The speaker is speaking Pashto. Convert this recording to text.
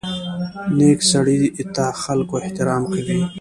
نیکه سړي ته خلکو احترام کوي.